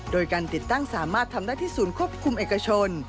โดยการติดตั้งสามารถทำได้ที่ศูนย์ควบคุมเอกชน